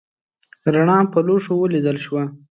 رڼا په لوښو ولیدل شوه.